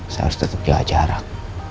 saya harus tetap jaga jarak